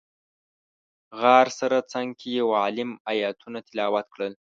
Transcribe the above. غار سره څنګ کې یو عالم ایتونه تلاوت کړل.